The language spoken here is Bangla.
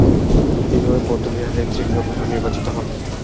তিনি ঐ বৌদ্ধবিহারের তৃতীয় প্রধান নির্বাচিত হন।